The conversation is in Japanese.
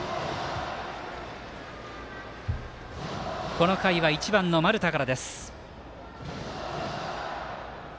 この回は１番の丸田からです。